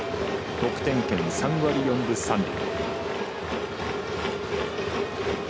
得点圏３割４分３厘。